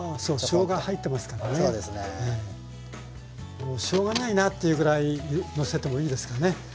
もうしょうがないなっていうぐらいのせてもいいですかね？